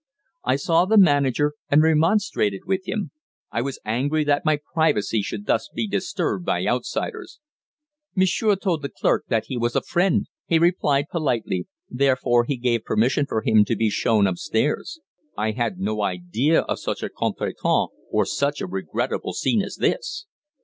I saw the manager and remonstrated with him. I was angry that my privacy should thus be disturbed by outsiders. "Monsieur told the clerk that he was a friend," he replied politely. "Therefore he gave permission for him to be shown upstairs. I had no idea of such a contretemps, or such a regrettable scene as this!"